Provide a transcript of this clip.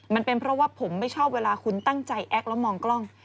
มันเป็นเพราะว่าผมไม่ชอบเวลาคุณตั้งใจแอ๊กแล้วมองกล้อง